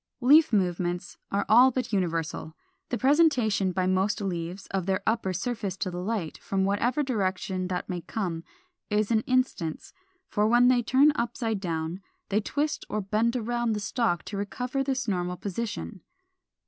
469. =Leaf movements= are all but universal. The presentation by most leaves of their upper surface to the light, from whatever direction that may come, is an instance; for when turned upside down they twist or bend round on the stalk to recover this normal position.